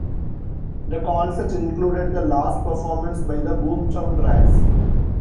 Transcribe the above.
The concert included the last performance by The Boomtown Rats.